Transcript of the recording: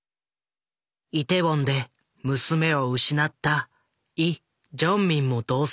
イテウォンで娘を失ったイ・ジョンミンも同席した。